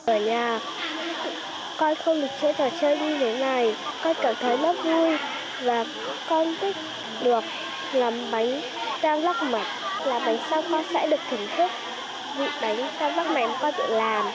ở nhà con không được chơi vào chơi như thế này con cảm thấy rất vui và con thích được làm bánh tam rác mạch là bánh sao khoa sẽ được thưởng thức